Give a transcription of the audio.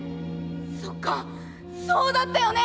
そっかそうだったよね」。